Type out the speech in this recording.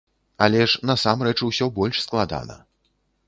Але ж насамрэч усё больш складана.